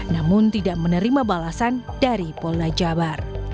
namun tidak menerima balasan dari pol dajabar